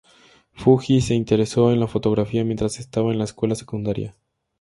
Fujii se interesó en la fotografía mientras estaba en la escuela secundaria.